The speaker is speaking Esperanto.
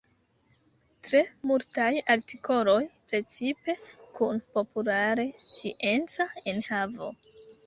Tre multaj artikoloj precipe kun populare scienca enhavo.